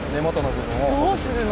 どうするの？